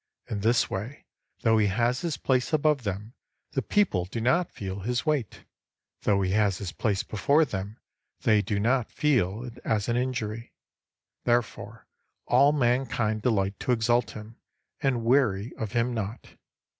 In this way, though he has his place above them, the people do not feel his weight ; though he has his place before them, they do not feel it as an injury. Therefore all man kind delight to exalt him, and weary of him not.